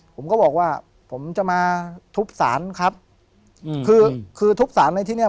ผมก็บอกว่าผมจะมาทุบสารครับอืมคือคือทุบสารในที่เนี้ย